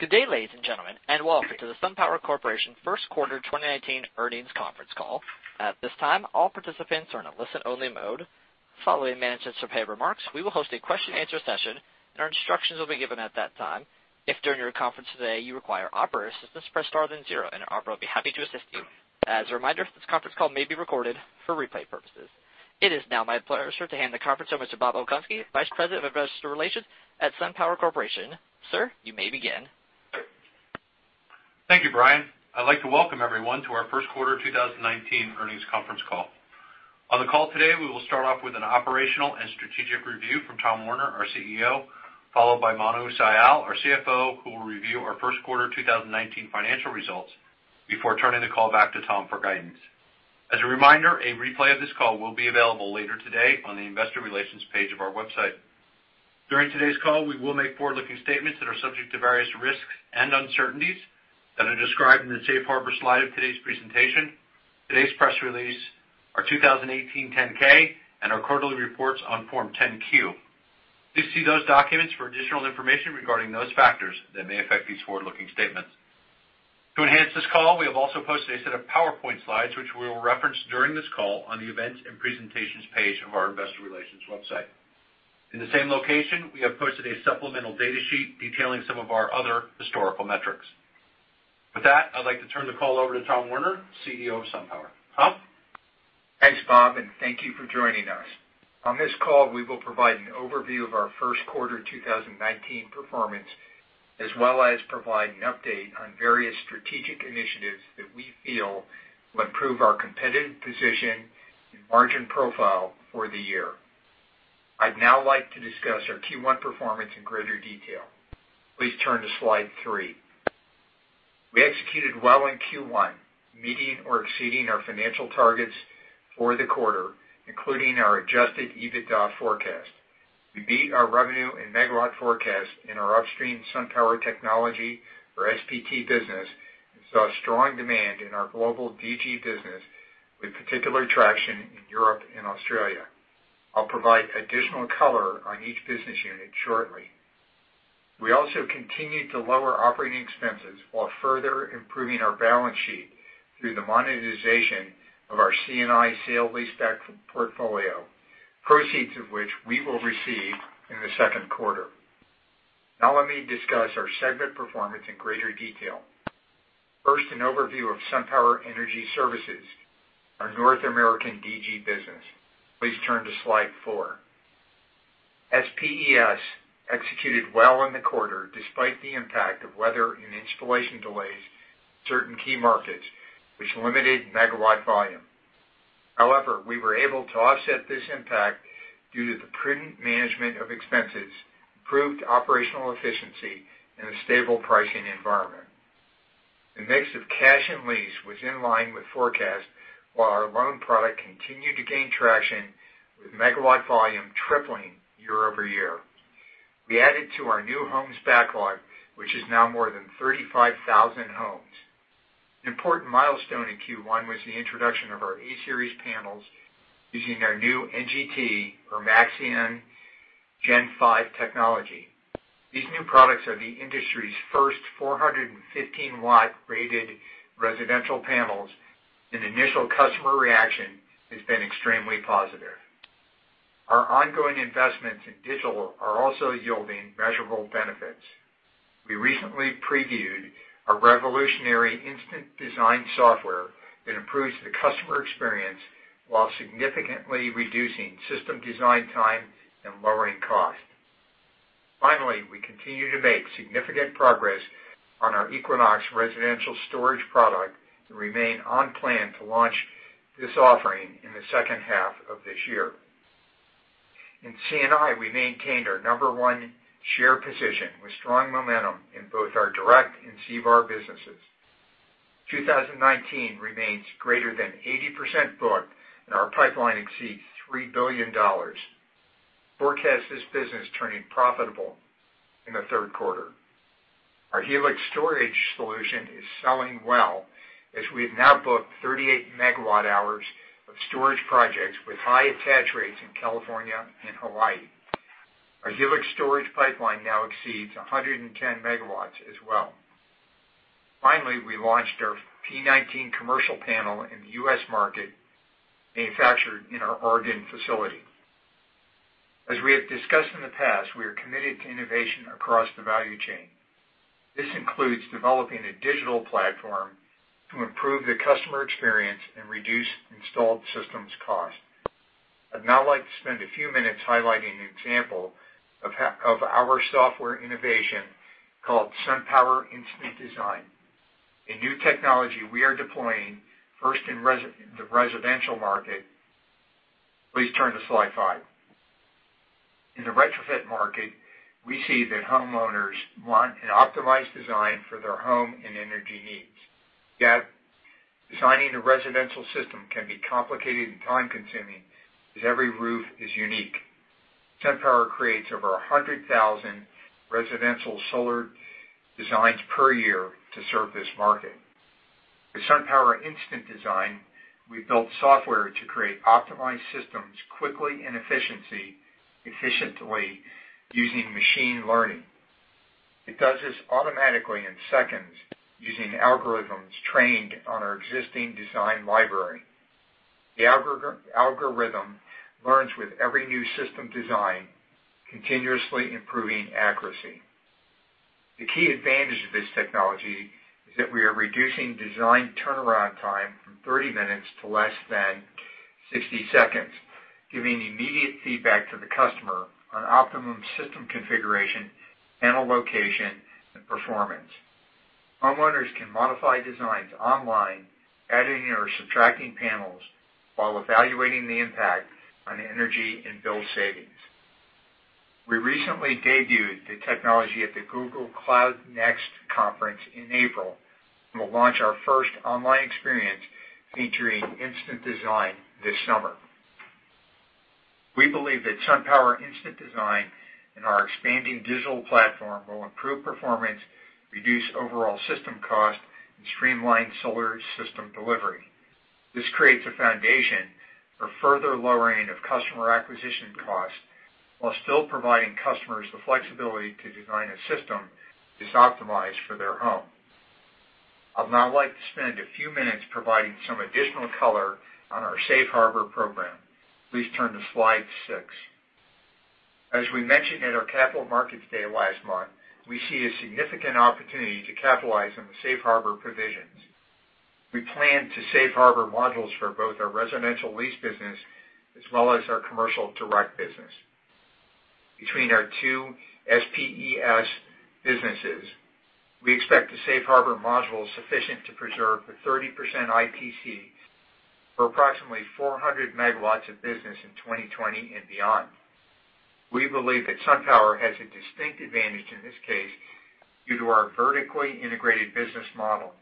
Good day, ladies and gentlemen, welcome to the SunPower Corporation first quarter 2019 earnings conference call. At this time, all participants are in a listen-only mode. Following management's prepared remarks, we will host a question and answer session. Our instructions will be given at that time. If during our conference today you require operator assistance, press star then zero, and an operator will be happy to assist you. As a reminder, this conference call may be recorded for replay purposes. It is now my pleasure to hand the conference over to Bob Okunski, Vice President of Investor Relations at SunPower Corporation. Sir, you may begin. Thank you, Brian. I'd like to welcome everyone to our first-quarter 2019 earnings conference call. On the call today, we will start off with an operational and strategic review from Tom Werner, our CEO, followed by Manu Sial, our CFO, who will review our first-quarter 2019 financial results before turning the call back to Tom for guidance. As a reminder, a replay of this call will be available later today on the Investor Relations page of our website. During today's call, we will make forward-looking statements that are subject to various risks and uncertainties that are described in the Safe Harbor slide of today's presentation, today's press release, our 2018 10-K, and our quarterly reports on Form 10-Q. Please see those documents for additional information regarding those factors that may affect these forward-looking statements. To enhance this call, we have also posted a set of PowerPoint slides, which we will reference during this call on the Events and Presentations page of our Investor Relations website. In the same location, we have posted a supplemental data sheet detailing some of our other historical metrics. With that, I'd like to turn the call over to Tom Werner, CEO of SunPower. Tom? Thanks, Bob, thank you for joining us. On this call, we will provide an overview of our first-quarter 2019 performance, as well as provide an update on various strategic initiatives that we feel will improve our competitive position and margin profile for the year. I'd now like to discuss our Q1 performance in greater detail. Please turn to slide three. We executed well in Q1, meeting or exceeding our financial targets for the quarter, including our adjusted EBITDA forecast. We beat our revenue and megawatt forecast in our upstream SunPower Technologies, or SPT business, and saw strong demand in our global DG business, with particular traction in Europe and Australia. I'll provide additional color on each business unit shortly. We also continued to lower operating expenses while further improving our balance sheet through the monetization of our C&I sale leaseback portfolio, proceeds of which we will receive in the second quarter. Now let me discuss our segment performance in greater detail. First, an overview of SunPower Energy Services, our North American DG business. Please turn to slide four. SPES executed well in the quarter, despite the impact of weather and installation delays in certain key markets, which limited megawatt volume. However, we were able to offset this impact due to the prudent management of expenses, improved operational efficiency, and a stable pricing environment. The mix of cash and lease was in line with forecasts, while our loan product continued to gain traction with megawatt volume tripling year-over-year. We added to our new homes backlog, which is now more than 35,000 homes. An important milestone in Q1 was the introduction of our E-Series panels using our new NGT or Maxeon 5 technology. These new products are the industry's first 415-watt rated residential panels, and initial customer reaction has been extremely positive. Our ongoing investments in digital are also yielding measurable benefits. We recently previewed our revolutionary Instant Design software that improves the customer experience while significantly reducing system design time and lowering cost. Finally, we continue to make significant progress on our Equinox residential storage product and remain on plan to launch this offering in the second half of this year. In C&I, we maintained our number 1 share position with strong momentum in both our direct and Cvar businesses. 2019 remains greater than 80% booked, and our pipeline exceeds $3 billion. Forecast this business turning profitable in the third quarter. Our Helix Storage solution is selling well as we've now booked 38 megawatt hours of storage projects with high attach rates in California and Hawaii. Our Helix Storage pipeline now exceeds 110 megawatts as well. Finally, we launched our P19 commercial panel in the U.S. market, manufactured in our Oregon facility. As we have discussed in the past, we are committed to innovation across the value chain. This includes developing a digital platform to improve the customer experience and reduce installed systems cost. I'd now like to spend a few minutes highlighting an example of our software innovation called SunPower Instant Design, a new technology we are deploying first in the residential market. Please turn to slide five. In the retrofit market, we see that homeowners want an optimized design for their home and energy needs. Designing a residential system can be complicated and time-consuming, as every roof is unique. SunPower creates over 100,000 residential solar designs per year to serve this market. The SunPower Instant Design, we built software to create optimized systems quickly and efficiently using machine learning. It does this automatically in seconds using algorithms trained on our existing design library. The algorithm learns with every new system design, continuously improving accuracy. The key advantage of this technology is that we are reducing design turnaround time from 30 minutes to less than 60 seconds, giving immediate feedback to the customer on optimum system configuration, panel location, and performance. Homeowners can modify designs online, adding or subtracting panels while evaluating the impact on energy and bill savings. We recently debuted the technology at the Google Cloud Next conference in April and will launch our first online experience featuring Instant Design this summer. We believe that SunPower Instant Design and our expanding digital platform will improve performance, reduce overall system cost, and streamline solar system delivery. This creates a foundation for further lowering of customer acquisition costs while still providing customers the flexibility to design a system that is optimized for their home. I'd now like to spend a few minutes providing some additional color on our safe harbor program. Please turn to slide six. As we mentioned at our Capital Markets Day last month, we see a significant opportunity to capitalize on the safe harbor provisions. We plan two safe harbor modules for both our residential lease business as well as our commercial direct business. Between our two SPES businesses, we expect the safe harbor module sufficient to preserve the 30% ITC for approximately 400 megawatts of business in 2020 and beyond. We believe that SunPower has a distinct advantage in this case due to our vertically integrated business model.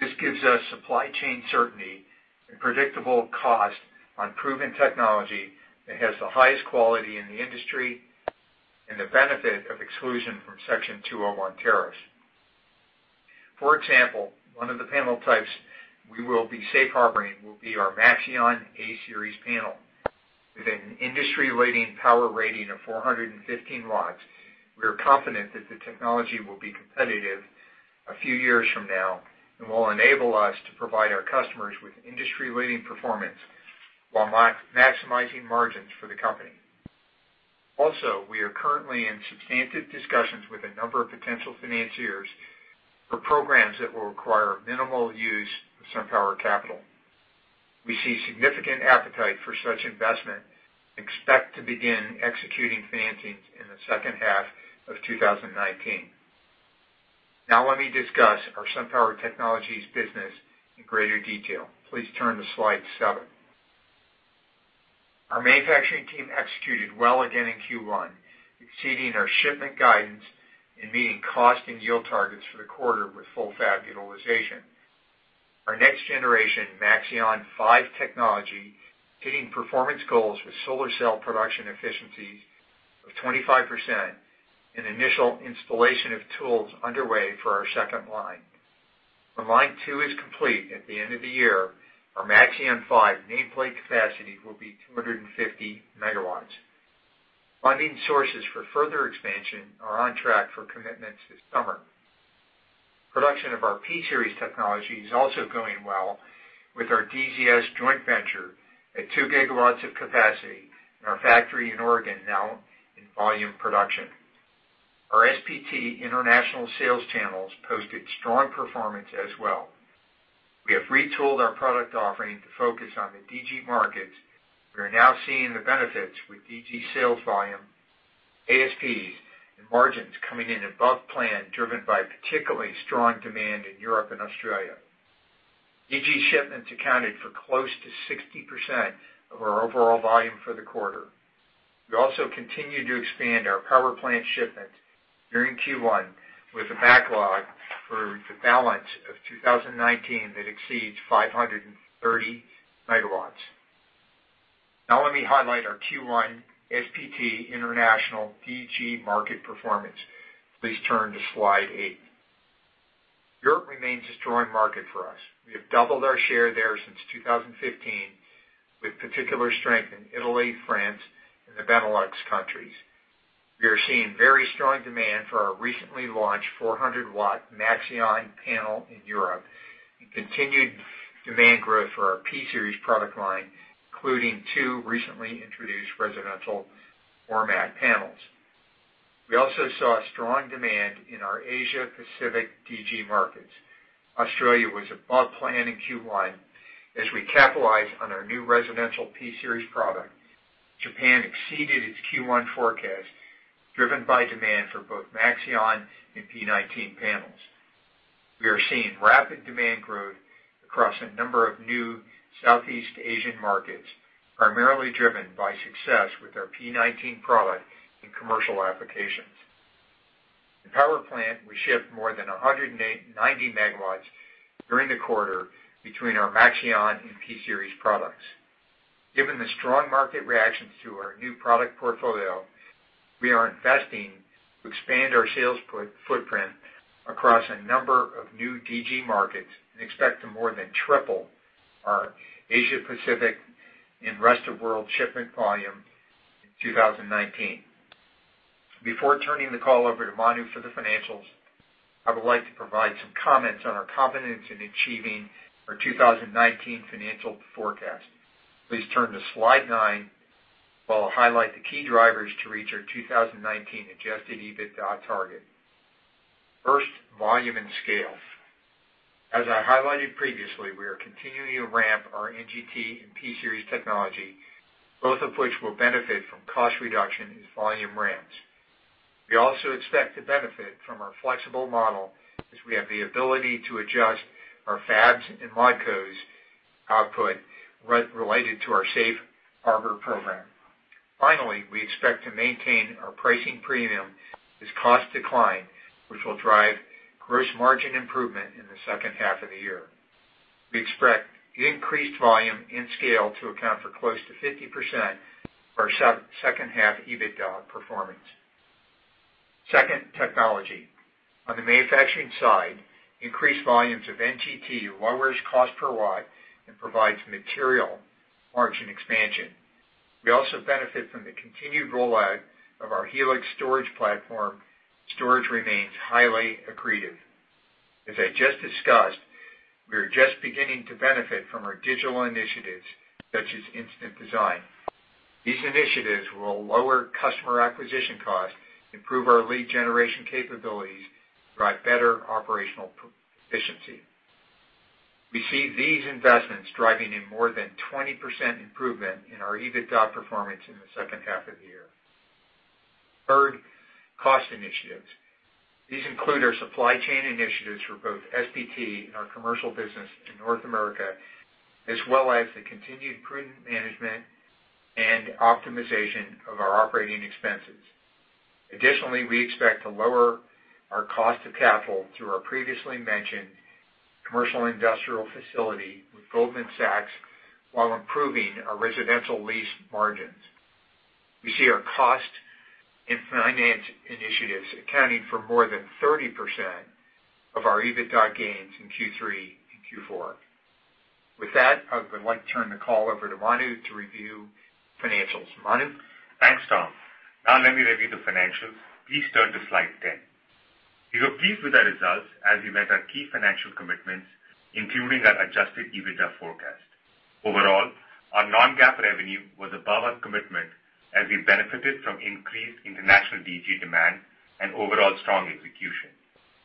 This gives us supply chain certainty and predictable cost on proven technology that has the highest quality in the industry and the benefit of exclusion from Section 201 tariffs. For example, one of the panel types we will be safe harboring will be our Maxeon A-Series panel. With an industry-leading power rating of 415 watts, we are confident that the technology will be competitive a few years from now and will enable us to provide our customers with industry-leading performance while maximizing margins for the company. We are currently in substantive discussions with a number of potential financiers for programs that will require minimal use of SunPower capital. We see significant appetite for such investment and expect to begin executing financings in the second half of 2019. Now let me discuss our SunPower Technologies business in greater detail. Please turn to slide seven. Our manufacturing team executed well again in Q1, exceeding our shipment guidance and meeting cost and yield targets for the quarter with full fab utilization. Our next-generation Maxeon 5 technology hitting performance goals with solar cell production efficiency of 25% and initial installation of tools underway for our second line. When line two is complete at the end of the year, our Maxeon 5 nameplate capacity will be 250 megawatts. Funding sources for further expansion are on track for commitments this summer. Production of our P-Series technology is also going well with our DZS joint venture at two gigawatts of capacity and our factory in Oregon now in volume production. Our SPT international sales channels posted strong performance as well. We have retooled our product offering to focus on the DG markets. We are now seeing the benefits with DG sales volume, ASPs, and margins coming in above plan, driven by particularly strong demand in Europe and Australia. DG shipments accounted for close to 60% of our overall volume for the quarter. We also continued to expand our power plant shipments during Q1 with a backlog for the balance of 2019 that exceeds 530 megawatts. Now let me highlight our Q1 SPT international DG market performance. Please turn to slide eight. Europe remains a strong market for us. We have doubled our share there since 2015, with particular strength in Italy, France, and the Benelux countries. We are seeing very strong demand for our recently launched 400-watt Maxeon panel in Europe and continued demand growth for our P-Series product line, including two recently introduced residential format panels. We also saw strong demand in our Asia Pacific DG markets. Australia was above plan in Q1 as we capitalized on our new residential P-Series product. Japan exceeded its Q1 forecast, driven by demand for both Maxeon and P19 panels. We are seeing rapid demand growth across a number of new Southeast Asian markets, primarily driven by success with our P19 product in commercial applications. In power plant, we shipped more than 190 megawatts during the quarter between our Maxeon and P-Series products. Given the strong market reactions to our new product portfolio, we are investing to expand our sales footprint across a number of new DG markets and expect to more than triple our Asia Pacific and rest of world shipment volume in 2019. Before turning the call over to Manu for the financials, I would like to provide some comments on our confidence in achieving our 2019 financial forecast. Please turn to slide nine while I highlight the key drivers to reach our 2019 adjusted EBITDA target. First, volume and scale. As I highlighted previously, we are continuing to ramp our NGT and P-Series technology, both of which will benefit from cost reduction as volume ramps. We also expect to benefit from our flexible model as we have the ability to adjust our fabs and modcos output related to our Safe Harbor program. Finally, we expect to maintain our pricing premium as costs decline, which will drive gross margin improvement in the second half of the year. We expect increased volume and scale to account for close to 50% of our second half EBITDA performance. Second, technology. On the manufacturing side, increased volumes of NGT lowers cost per watt and provides material margin expansion. We also benefit from the continued rollout of our Helix Storage platform. Storage remains highly accretive. As I just discussed, we are just beginning to benefit from our digital initiatives, such as Instant Design. These initiatives will lower customer acquisition costs, improve our lead generation capabilities, drive better operational efficiency. We see these investments driving in more than 20% improvement in our EBITDA performance in the second half of the year. Third, cost initiatives. These include our supply chain initiatives for both SPT and our commercial business in North America, as well as the continued prudent management and optimization of our operating expenses. Additionally, we expect to lower our cost of capital through our previously mentioned commercial industrial facility with Goldman Sachs while improving our residential lease margins. We see our cost and finance initiatives accounting for more than 30% of our EBITDA gains in Q3 and Q4. With that, I would like to turn the call over to Manu to review financials. Manu? Thanks, Tom. Let me review the financials. Please turn to slide 10. We were pleased with the results as we met our key financial commitments, including our adjusted EBITDA forecast. Overall, our non-GAAP revenue was above our commitment as we benefited from increased international DG demand and overall strong execution.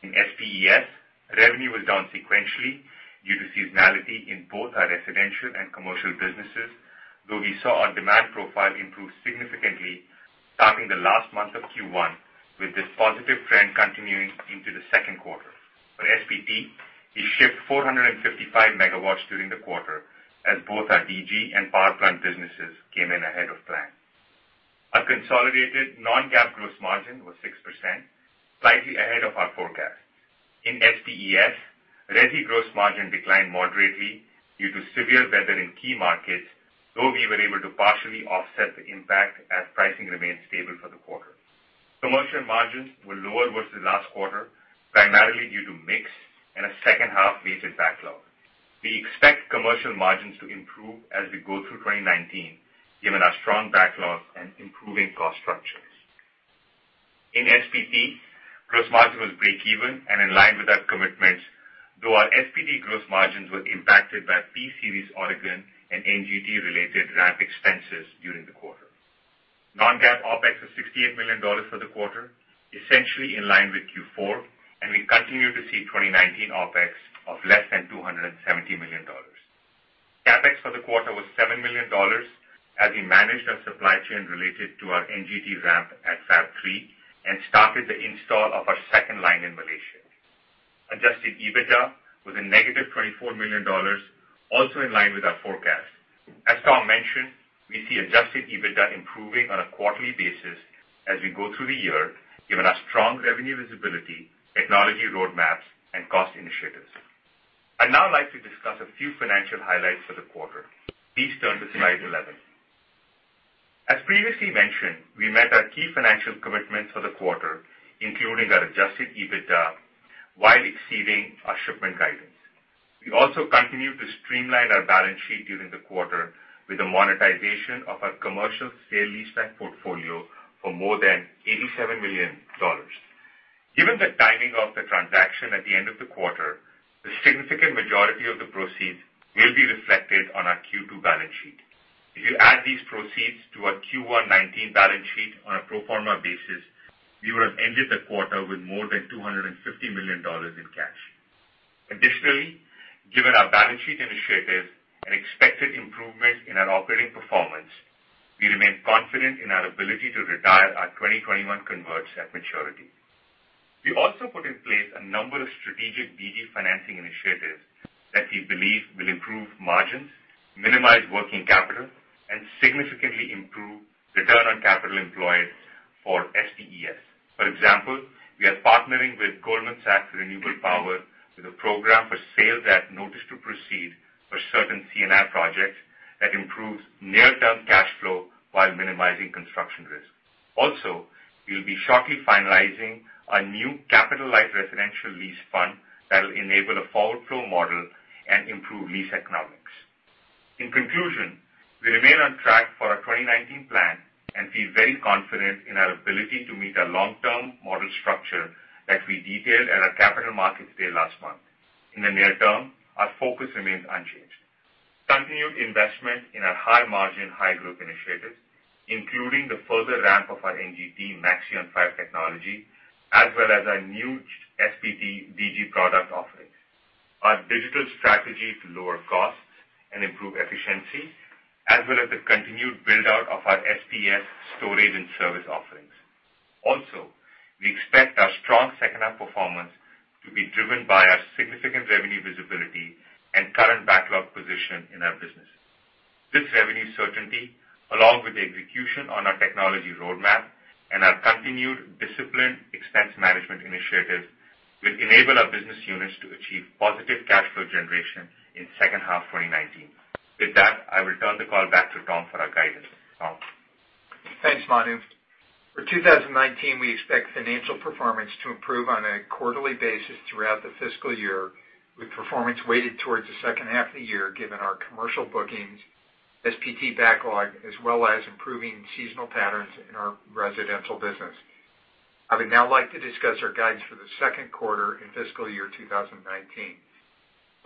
In SPES, revenue was down sequentially due to seasonality in both our residential and commercial businesses, though we saw our demand profile improve significantly starting the last month of Q1, with this positive trend continuing into the second quarter. For SPT, we shipped 455 MW during the quarter as both our DG and power plant businesses came in ahead of plan. Our consolidated non-GAAP gross margin was 6%, slightly ahead of our forecast. In SPES, RESI gross margin declined moderately due to severe weather in key markets, though we were able to partially offset the impact as pricing remained stable for the quarter. Commercial margins were lower versus last quarter, primarily due to mix and a second half-based backlog. We expect commercial margins to improve as we go through 2019, given our strong backlog and improving cost structures. In SPT, gross margin was breakeven and in line with our commitments, though our SPT gross margins were impacted by P-Series Oregon and NGT-related ramp expenses during the quarter. Non-GAAP OpEx was $68 million for the quarter, essentially in line with Q4, and we continue to see 2019 OpEx of less than $270 million. CapEx for the quarter was $7 million as we managed our supply chain related to our NGT ramp at Fab 3 and started the install of our second line in Malaysia. Adjusted EBITDA was a negative $24 million, also in line with our forecast. As Tom mentioned, we see adjusted EBITDA improving on a quarterly basis as we go through the year, given our strong revenue visibility, technology roadmaps, and cost initiatives. I'd now like to discuss a few financial highlights for the quarter. Please turn to slide 11. As previously mentioned, we met our key financial commitments for the quarter, including our adjusted EBITDA, while exceeding our shipment guidance. We also continued to streamline our balance sheet during the quarter with the monetization of our commercial scale leaseback portfolio for more than $87 million. Given the timing of the transaction at the end of the quarter, the significant majority of the proceeds will be reflected on our Q2 balance sheet. If you add these proceeds to our Q1 2019 balance sheet on a pro forma basis, we would have ended the quarter with more than $250 million in cash. Additionally, given our balance sheet initiatives and expected improvements in our operating performance, we remain confident in our ability to retire our 2021 converts at maturity. We also put in place a number of strategic DG financing initiatives that we believe will improve margins, minimize working capital, and significantly return on capital employed for SPES. For example, we are partnering with Goldman Sachs Renewable Power with a program for sales at notice to proceed for certain C&I projects that improves near-term cash flow while minimizing construction risk. We'll be shortly finalizing a new capitalized residential lease fund that'll enable a forward flow model and improve lease economics. In conclusion, we remain on track for our 2019 plan and feel very confident in our ability to meet our long-term model structure that we detailed at our Capital Markets Day last month. In the near term, our focus remains unchanged. Continued investment in our high-margin, high-growth initiatives, including the further ramp of our NGT Maxeon 5 technology, as well as our new SPT DG product offering. Our digital strategy to lower costs and improve efficiency, as well as the continued build-out of our SPES storage and service offerings. We expect our strong second half performance to be driven by our significant revenue visibility and current backlog position in our business. This revenue certainty, along with the execution on our technology roadmap and our continued disciplined expense management initiatives, will enable our business units to achieve positive cash flow generation in second half 2019. With that, I will turn the call back to Tom for our guidance. Tom? Thanks, Manu. For 2019, we expect financial performance to improve on a quarterly basis throughout the fiscal year, with performance weighted towards the second half of the year given our commercial bookings, SPT backlog, as well as improving seasonal patterns in our residential business. I would now like to discuss our guidance for the second quarter in fiscal year 2019.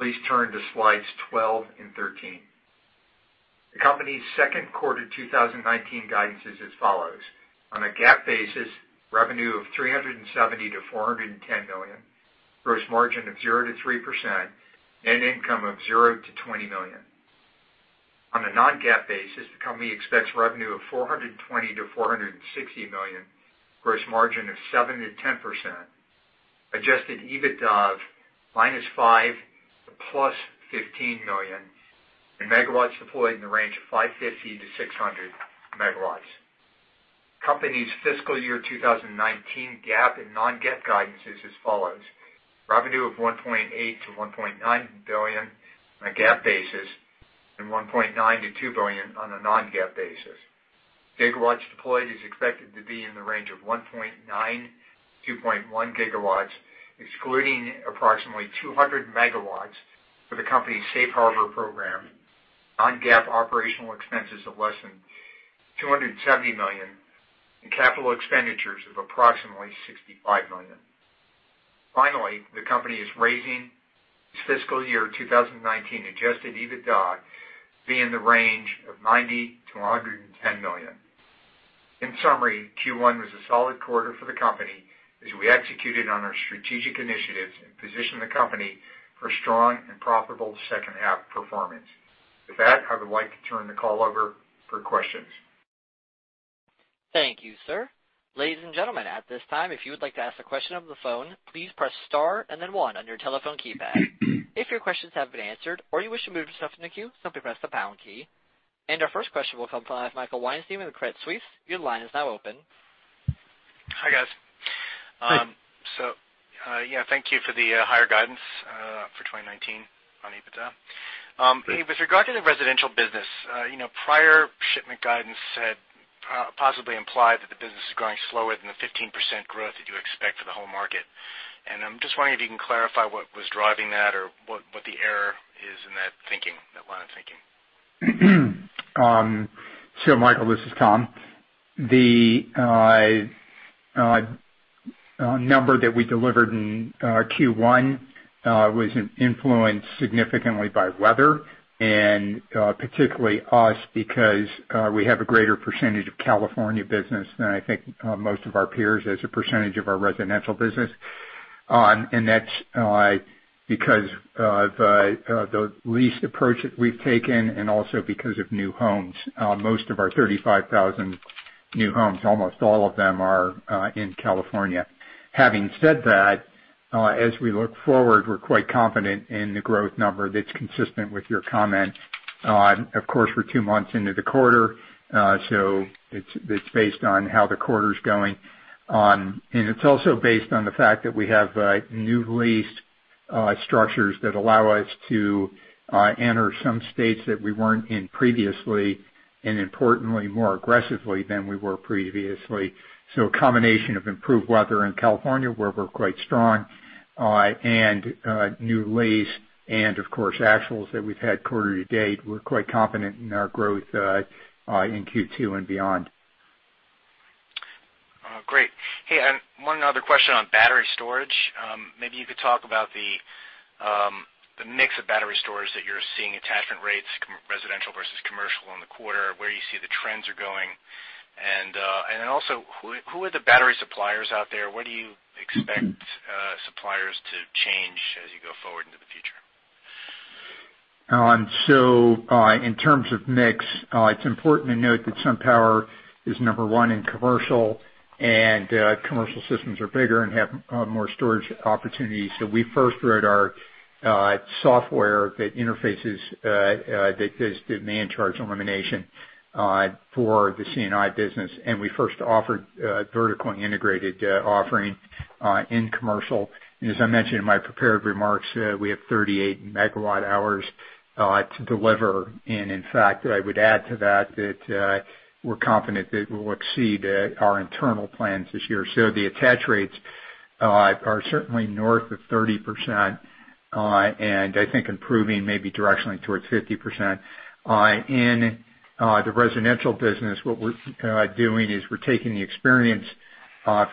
Please turn to slides 12 and 13. The company's second quarter 2019 guidance is as follows. On a GAAP basis, revenue of $370 million-$410 million, gross margin of 0%-3%, net income of $0-$20 million. On a non-GAAP basis, the company expects revenue of $420 million-$460 million, gross margin of 7%-10%, adjusted EBITDA of -$5 million to +$15 million, and megawatts deployed in the range of 550-600 megawatts. The company's fiscal year 2019 GAAP and non-GAAP guidance is as follows. Revenue of $1.8 billion-$1.9 billion on a GAAP basis and $1.9 billion-$2 billion on a non-GAAP basis. Gigawatts deployed is expected to be in the range of 1.9-2.1 gigawatts, excluding approximately 200 megawatts for the company's Safe Harbor program. Non-GAAP operating expenses of less than $270 million and capital expenditures of approximately $65 million. The company is raising its fiscal year 2019 adjusted EBITDA to be in the range of $90 million-$110 million. In summary, Q1 was a solid quarter for the company as we executed on our strategic initiatives and positioned the company for strong and profitable second half performance. With that, I would like to turn the call over for questions. Thank you, sir. Ladies and gentlemen, at this time, if you would like to ask a question over the phone, please press star and then one on your telephone keypad. If your questions have been answered or you wish to move yourself in the queue, simply press the pound key. Our first question will come from Michael Weinstein with Credit Suisse. Your line is now open. Hi, guys. Hi. Thank you for the higher guidance for 2019 on EBITDA. With regard to the residential business, prior shipment guidance had possibly implied that the business is growing slower than the 15% growth that you expect for the whole market. I'm just wondering if you can clarify what was driving that or what the error is in that line of thinking. Michael, this is Tom. The number that we delivered in Q1 was influenced significantly by weather and particularly us because we have a greater percentage of California business than I think most of our peers as a percentage of our residential business. That's because of the lease approach that we've taken and also because of new homes. Most of our 35,000 new homes, almost all of them are in California. Having said that, as we look forward, we're quite confident in the growth number that's consistent with your comment. Of course, we're two months into the quarter, so it's based on how the quarter's going. It's also based on the fact that we have new lease structures that allow us to enter some states that we weren't in previously, and importantly, more aggressively than we were previously. A combination of improved weather in California, where we're quite strong and new lease and, of course, actuals that we've had quarter to date, we're quite confident in our growth in Q2 and beyond. Great. Hey, one other question on battery storage. Maybe you could talk about the mix of battery storage that you're seeing, attachment rates, residential versus commercial in the quarter, where you see the trends are going. Then also, who are the battery suppliers out there? What do you expect suppliers to change as you go forward into the future? In terms of mix, it's important to note that SunPower is number one in commercial, and commercial systems are bigger and have more storage opportunities. We first wrote our software that interfaces, that does demand charge elimination for the C&I business, and we first offered vertically integrated offering in commercial. As I mentioned in my prepared remarks, we have 38 megawatt hours to deliver. In fact, I would add to that we're confident that we'll exceed our internal plans this year. The attach rates are certainly north of 30%, and I think improving maybe directionally towards 50%. In the residential business, what we're doing is we're taking the experience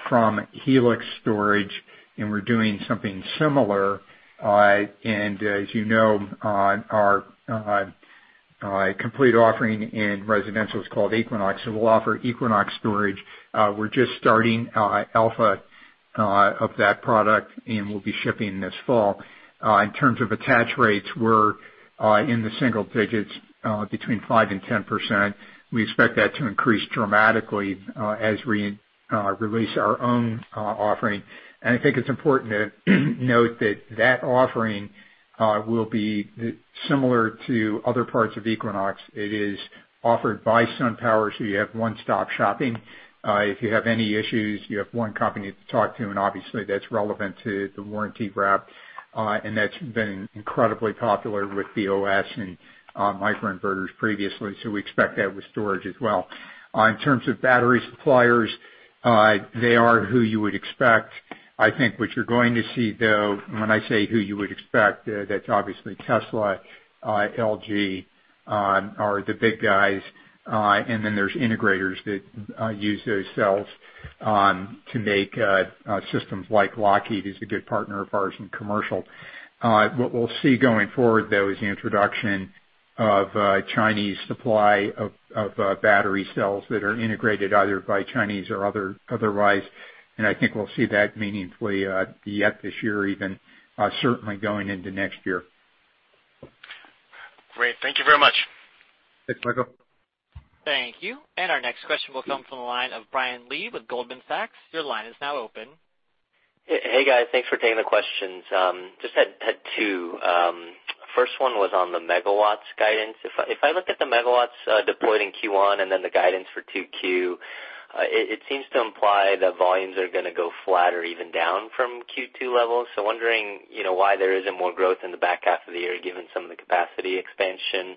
from Helix Storage, and we're doing something similar. As you know, our complete offering in residential is called Equinox. We'll offer Equinox Storage. We're just starting alpha of that product, and we'll be shipping this fall. In terms of attach rates, we're in the single digits, between five and 10%. We expect that to increase dramatically as we release our own offering. I think it's important to note that that offering will be similar to other parts of Equinox. It is offered by SunPower, so you have one-stop shopping. If you have any issues, you have one company to talk to, and obviously that's relevant to the warranty wrap. That's been incredibly popular with the OS and microinverters previously, so we expect that with storage as well. In terms of battery suppliers, they are who you would expect. I think what you're going to see, though, when I say who you would expect, that's obviously Tesla, LG, are the big guys. Then there's integrators that use those cells to make systems like Lockheed, who's a good partner of ours in commercial. What we'll see going forward, though, is the introduction of Chinese supply of battery cells that are integrated either by Chinese or otherwise. I think we'll see that meaningfully yet this year even, certainly going into next year. Great. Thank you very much. Thanks, Michael. Thank you. Our next question will come from the line of Brian Lee with Goldman Sachs. Your line is now open. Hey, guys. Thanks for taking the questions. Just had two. First one was on the megawatts guidance. If I look at the megawatts deployed in Q1 and then the guidance for 2Q, it seems to imply that volumes are going to go flat or even down from Q2 levels. Wondering why there isn't more growth in the back half of the year given some of the capacity expansion,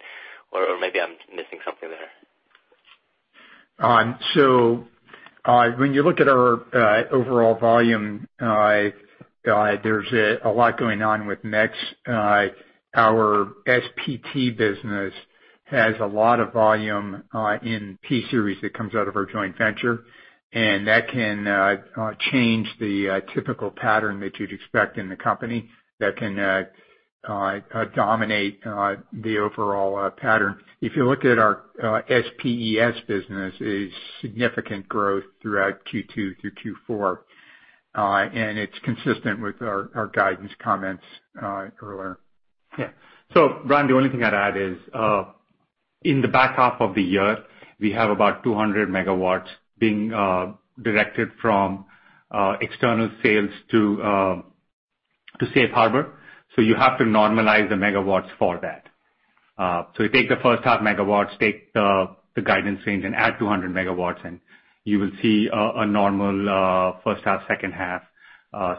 or maybe I'm missing something there. When you look at our overall volume, there's a lot going on with mix. Our SPT business has a lot of volume in P-Series that comes out of our joint venture, and that can change the typical pattern that you'd expect in the company that can dominate the overall pattern. If you look at our SPES business, it's significant growth throughout Q2 through Q4, and it's consistent with our guidance comments earlier. Yeah. Brian, the only thing I'd add is, in the back half of the year, we have about 200 megawatts being directed from external sales to Safe Harbor. You have to normalize the megawatts for that. You take the first half megawatts, take the guidance range and add 200 megawatts and you will see a normal first half, second half,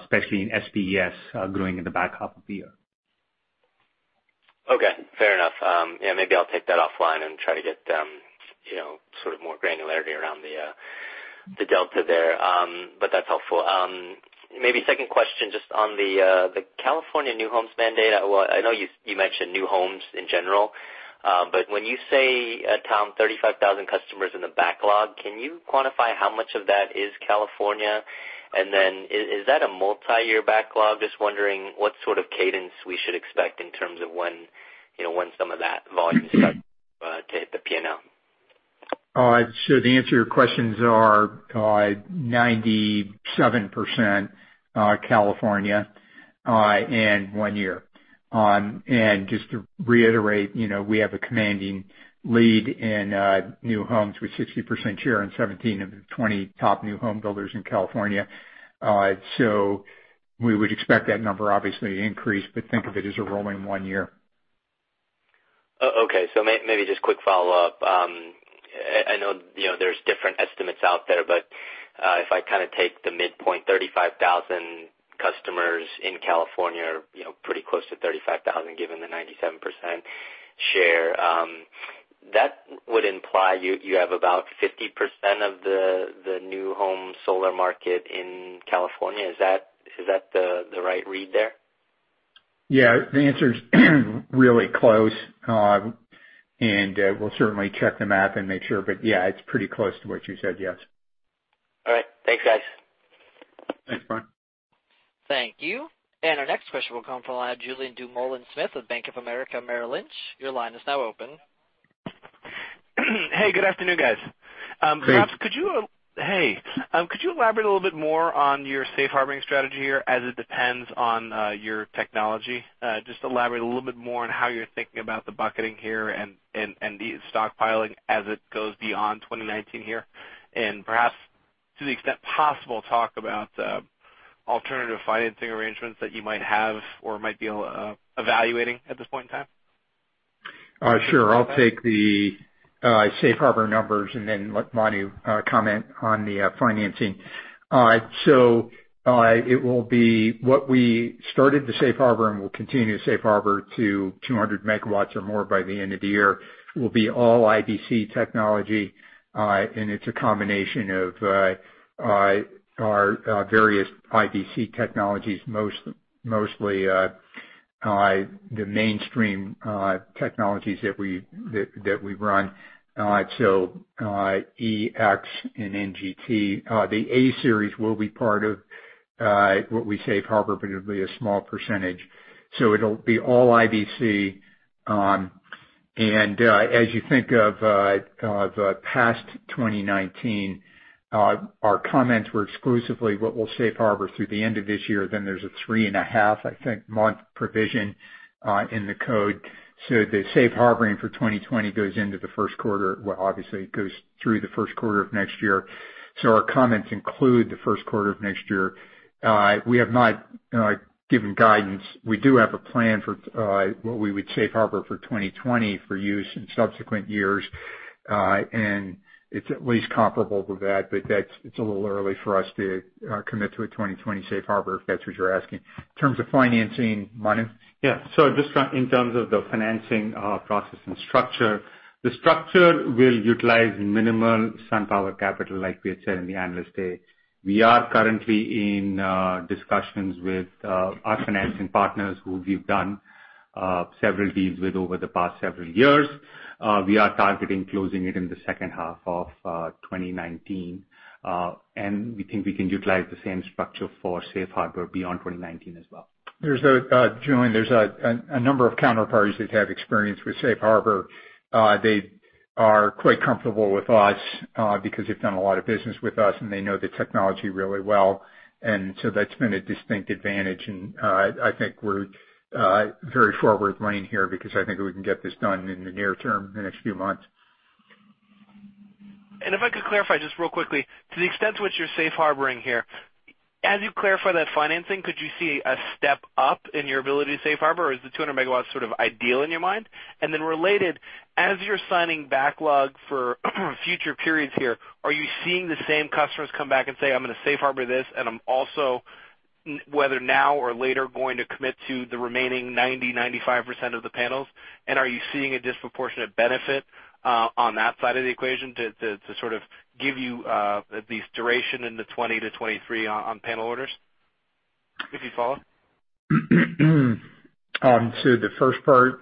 especially in SPES, growing in the back half of the year. Okay, fair enough. Yeah, maybe I'll take that offline and try to get more granularity around the delta there, but that's helpful. Maybe second question, just on the California new homes mandate. I know you mentioned new homes in general, but when you say, Tom, 35,000 customers in the backlog, can you quantify how much of that is California? Is that a multi-year backlog? Just wondering what sort of cadence we should expect in terms of when some of that volume starts to hit the P&L. The answer to your questions are 97% California, and one year. Just to reiterate, we have a commanding lead in new homes with 60% share in 17 of the 20 top new home builders in California. We would expect that number obviously to increase, but think of it as a rolling one year. Okay. Maybe just quick follow-up. I know there's different estimates out there, but if I take the midpoint 35,000 customers in California, pretty close to 35,000 given the 97% share. That would imply you have about 50% of the new home solar market in California. Is that the right read there? Yeah, the answer's really close, and we'll certainly check the math and make sure. Yeah, it's pretty close to what you said, yes. All right. Thanks, guys. Thanks, Brian. Thank you. Our next question will come from the line of Julien Dumoulin-Smith with Bank of America Merrill Lynch. Your line is now open. Hey, good afternoon, guys. Hey. Hey. Could you elaborate a little bit more on your Safe Harboring strategy here as it depends on your technology? Just elaborate a little bit more on how you're thinking about the bucketing here and the stockpiling as it goes beyond 2019 here. Perhaps to the extent possible, talk about alternative financing arrangements that you might have or might be evaluating at this point in time. Sure. I'll take the Safe Harbor numbers and then let Manu comment on the financing. It will be what we started the Safe Harbor and will continue Safe Harbor to 200 MW or more by the end of the year, will be all IBC technology. It's a combination of our various IBC technologies, mostly the mainstream technologies that we run. X-Series and NGT. The A-Series will be part of what we Safe Harbor, but it'll be a small percentage. It'll be all IBC. As you think of the past 2019, our comments were exclusively what we'll Safe Harbor through the end of this year, then there's a three and a half, I think, month provision, in the code. The Safe Harboring for 2020 goes into the first quarter. Obviously it goes through the first quarter of next year. Our comments include the first quarter of next year. We have not given guidance. We do have a plan for what we would Safe Harbor for 2020 for use in subsequent years. It's at least comparable with that, but it's a little early for us to commit to a 2020 Safe Harbor, if that's what you're asking. In terms of financing, Manu? Just in terms of the financing process and structure, the structure will utilize minimal SunPower capital like we had said in the Analyst Day. We are currently in discussions with our financing partners who we've done several deals with over the past several years. We are targeting closing it in the second half of 2019. We think we can utilize the same structure for Safe Harbor beyond 2019 as well. Julien, there's a number of counterparties that have experience with Safe Harbor. They are quite comfortable with us because they've done a lot of business with us and they know the technology really well. That's been a distinct advantage and I think we're very forward lean here because I think we can get this done in the near term, the next few months. If I could clarify just real quickly, to the extent to which you're safe harboring here, as you clarify that financing, could you see a step up in your ability to safe harbor or is the 200 megawatts sort of ideal in your mind? Related, as you're signing backlog for future periods here, are you seeing the same customers come back and say, I'm going to safe harbor this and I'm also, whether now or later, going to commit to the remaining 90%, 95% of the panels? Are you seeing a disproportionate benefit on that side of the equation to sort of give you at least duration into 2020 to 2023 on panel orders? If you follow. The first part-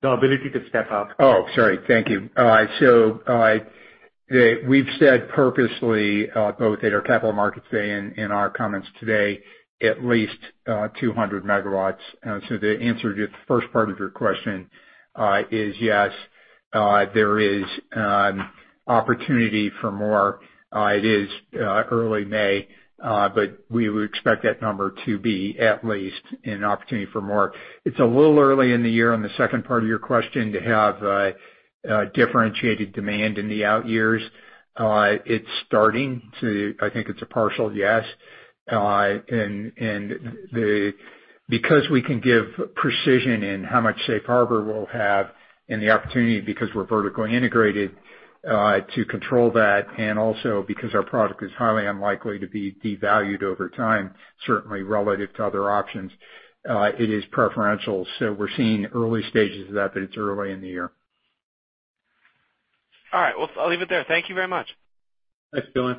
The ability to step up. Sorry. Thank you. We've said purposely, both at our Capital Markets Day and in our comments today, at least 200 megawatts. To answer the first part of your question is, yes, there is an opportunity for more. It is early May, but we would expect that number to be at least an opportunity for more. It's a little early in the year on the second part of your question to have differentiated demand in the out years. I think it's a partial yes. Because we can give precision in how much Safe Harbor we'll have and the opportunity because we're vertically integrated to control that, and also because our product is highly unlikely to be devalued over time, certainly relative to other options, it is preferential. We're seeing early stages of that, but it's early in the year. All right. Well, I'll leave it there. Thank you very much. Thanks, Julien.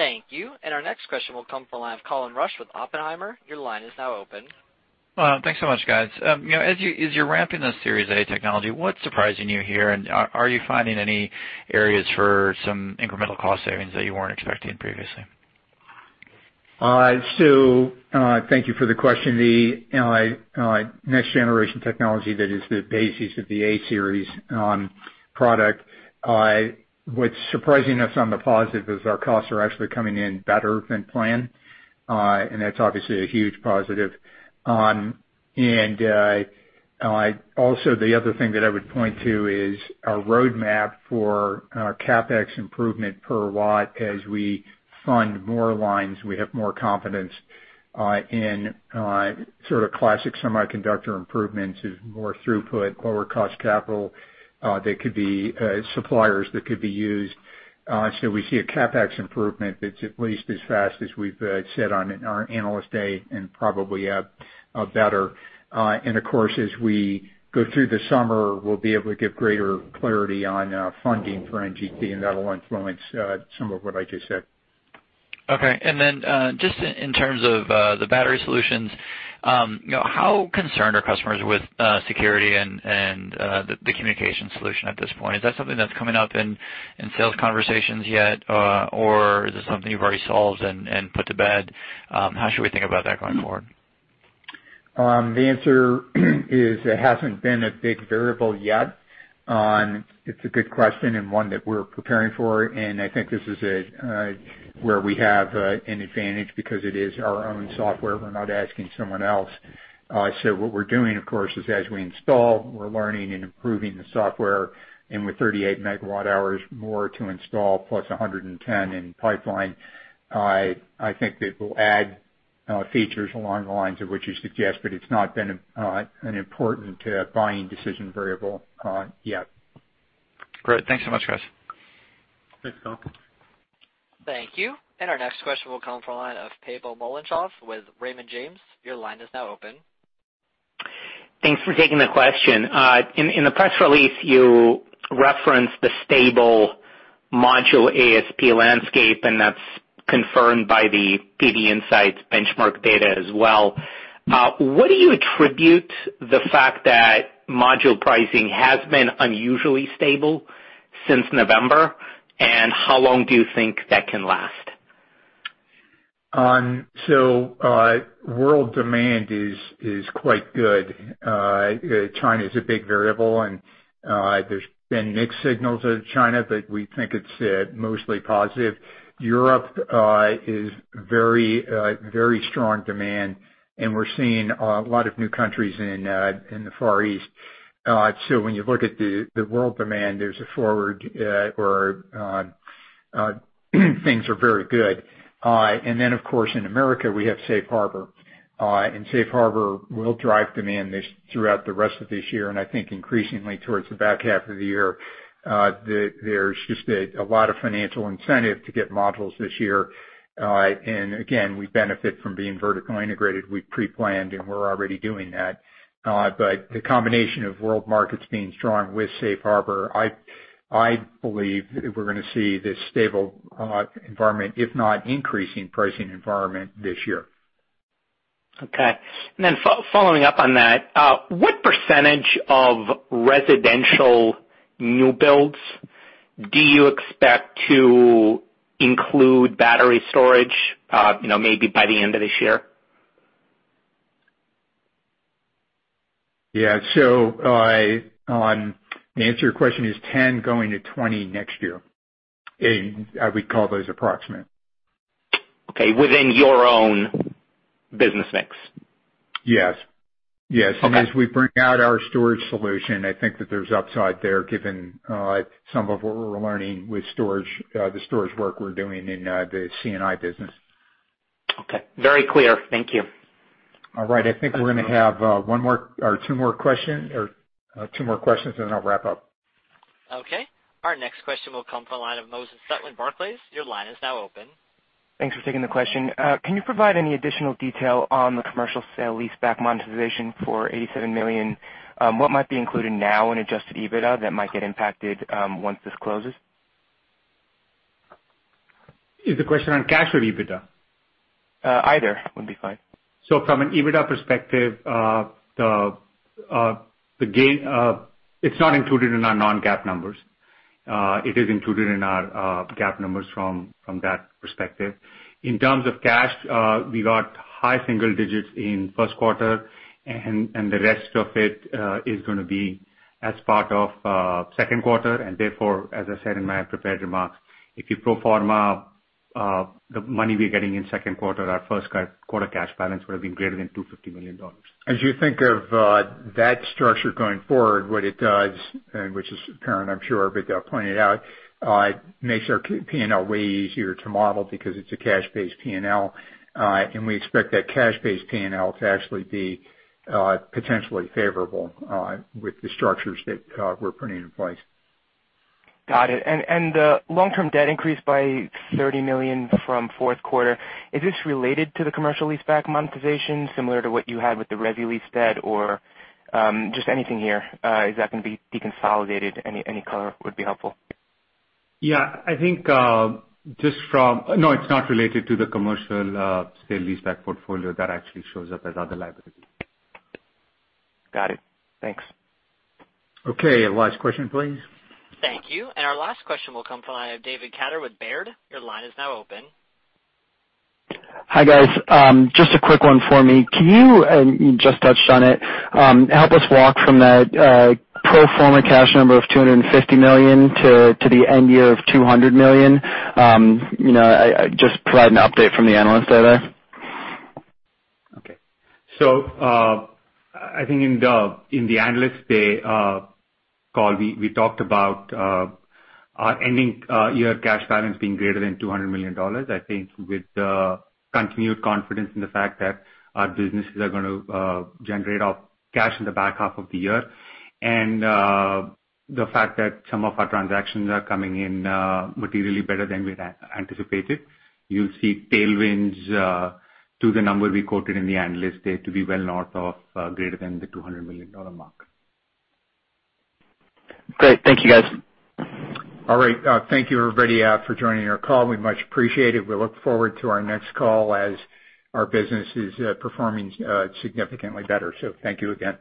Thank you. Our next question will come from the line of Colin Rusch with Oppenheimer. Your line is now open. Thanks so much, guys. As you're ramping the A-Series technology, what's surprising you here? Are you finding any areas for some incremental cost savings that you weren't expecting previously? Thank you for the question. The Next Generation Technology that is the basis of the A-Series product, what's surprising us on the positive is our costs are actually coming in better than planned. That's obviously a huge positive. The other thing that I would point to is our roadmap for CapEx improvement per watt as we fund more lines, we have more confidence in sort of classic semiconductor improvements, more throughput, lower cost capital. There could be suppliers that could be used. We see a CapEx improvement that's at least as fast as we've said on our Analyst Day and probably better. Of course, as we go through the summer, we'll be able to give greater clarity on funding for NGT, and that'll influence some of what I just said. Okay. Just in terms of the battery solutions, how concerned are customers with security and the communication solution at this point? Is that something that's coming up in sales conversations yet? Or is it something you've already solved and put to bed? How should we think about that going forward? The answer is it hasn't been a big variable yet. It's a good question and one that we're preparing for, and I think this is where we have an advantage because it is our own software. We're not asking someone else. What we're doing, of course, is as we install, we're learning and improving the software, and with 38 megawatt hours more to install plus 110 in pipeline, I think that we'll add features along the lines of what you suggest, but it's not been an important buying decision variable yet. Great. Thanks so much, guys. Thanks, [Colin]. Thank you. Our next question will come from the line of Pavel Molchanov with Raymond James. Your line is now open. Thanks for taking the question. In the press release, you referenced the stable module ASP landscape, that's confirmed by the PV Insights benchmark data as well. What do you attribute the fact that module pricing has been unusually stable since November, how long do you think that can last? World demand is quite good. China's a big variable, there's been mixed signals out of China, we think it's mostly positive. Europe is very strong demand, we're seeing a lot of new countries in the Far East. When you look at the world demand, there's a forward or things are very good. Then of course, in America, we have Safe Harbor, Safe Harbor will drive demand throughout the rest of this year, I think increasingly towards the back half of the year. There's just a lot of financial incentive to get modules this year. Again, we benefit from being vertically integrated. We pre-planned and we're already doing that. The combination of world markets being strong with Safe Harbor, I believe we're gonna see this stable environment, if not increasing pricing environment this year. Okay. Then following up on that, what % of residential new builds do you expect to include battery storage maybe by the end of this year? Yeah. The answer to your question is 10 going to 20 next year. I would call those approximate. Okay. Within your own business mix? Yes. Okay. As we bring out our storage solution, I think that there's upside there given some of what we're learning with the storage work we're doing in the C&I business. Okay. Very clear. Thank you. All right. I think we're going to have one more or two more questions, then I'll wrap up. Okay. Our next question will come from the line of Moses Sutton, Barclays. Your line is now open. Thanks for taking the question. Can you provide any additional detail on the commercial sale-leaseback monetization for $87 million? What might be included now in adjusted EBITDA that might get impacted once this closes? Is the question on cash or EBITDA? Either would be fine. From an EBITDA perspective, the gain, it's not included in our non-GAAP numbers. It is included in our GAAP numbers from that perspective. In terms of cash, we got high single digits in first quarter, the rest of it is gonna be as part of second quarter, therefore, as I said in my prepared remarks, if you pro forma the money we're getting in second quarter, our first quarter cash balance would have been greater than $250 million. As you think of that structure going forward, what it does, and which is apparent, I'm sure, but they'll point it out, it makes our P&L way easier to model because it's a cash-based P&L. We expect that cash-based P&L to actually be potentially favorable with the structures that we're putting in place. Got it. The long-term debt increased by $30 million from fourth quarter. Is this related to the commercial leaseback monetization, similar to what you had with the RESI lease debt, or just anything here? Is that gonna be deconsolidated? Any color would be helpful. Yeah. No, it's not related to the commercial sale leaseback portfolio. That actually shows up as other liability. Got it. Thanks. Okay, last question, please. Thank you. Our last question will come from the line of David Katter with Baird. Your line is now open. Hi, guys. Just a quick one for me. Can you, and you just touched on it, help us walk from that pro forma cash number of $250 million to the end year of $200 million? Just provide an update from the Analyst Day there. Okay. I think in the Analyst Day call, we talked about our ending year cash balance being greater than $200 million, I think with continued confidence in the fact that our businesses are going to generate cash in the back half of the year. The fact that some of our transactions are coming in materially better than we'd anticipated. You'll see tailwinds to the number we quoted in the Analyst Day to be well north of greater than the $200 million mark. Great. Thank you, guys. All right. Thank you, everybody, for joining our call. We much appreciate it. We look forward to our next call as our business is performing significantly better. Thank you again.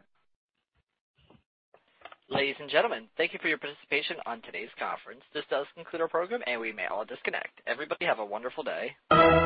Ladies and gentlemen, thank you for your participation on today's conference. This does conclude our program, and we may all disconnect. Everybody have a wonderful day.